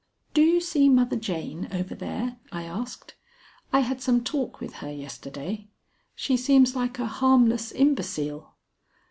"Do you see Mother Jane over there?" I asked. "I had some talk with her yesterday. She seems like a harmless imbecile."